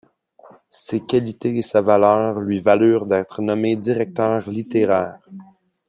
Ses qualités et sa valeur lui valurent d'être nommé directeur littéraire.